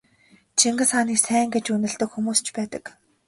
Чингис хааныг сайн гэж үнэлдэг хүмүүс ч байдаг.